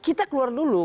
kita keluar dulu